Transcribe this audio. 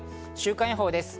週間予報です。